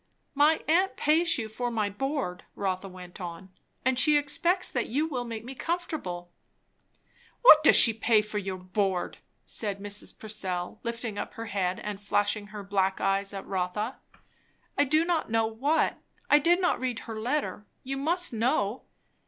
"My aunt pays you for my board," Rotha went on, "and she expects that you will make me comfortable." "What does she pay for your board?" said Mrs. Purcell, lifting up her head and flashing her black eyes at Rotha. "I do not know what. I did not read her letter. You must know."